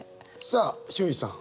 さあひゅーいさん。